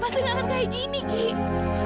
pasti enggak akan kayak gini ibu